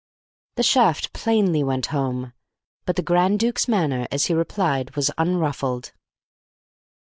The shaft plainly went home, but the Grand Duke's manner, as he replied, was unruffled.